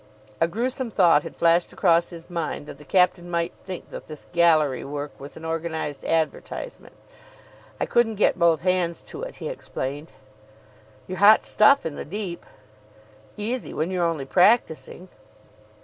A gruesome thought had flashed across his mind that the captain might think that this gallery work was an organised advertisement. "I couldn't get both hands to it," he explained. "You're hot stuff in the deep." "Easy when you're only practising."